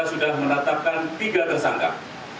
ks untuk di jalan jenderal subirman tkp di jalan jenderal subirman